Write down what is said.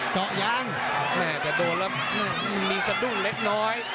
เจาะยางแทบโดนแล้วมีสัดดูงเล็กน้อย